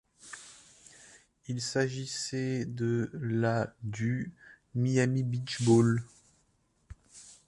Il s'agissait de la du Miami Beach Bowl.